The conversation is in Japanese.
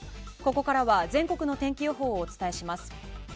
ここからは全国の天気予報をお伝えします。